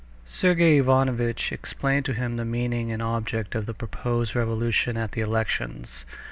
Sergey Ivanovitch explained to him the meaning and object of the proposed revolution at the elections.